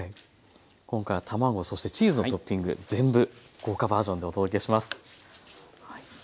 今回は卵そしてチーズのトッピング全部豪華バージョンでお届けします。